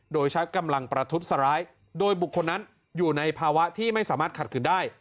โดยใช้กำลังประทุษร้ายโดยบุคคลนั้นอยู่ในภาวะที่ไม่สามารถขัดขืนได้